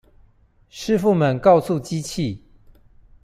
師傅們告訴機器